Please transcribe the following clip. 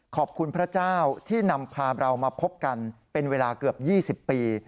พระเจ้าที่นำพาเรามาพบกันเป็นเวลาเกือบ๒๐ปี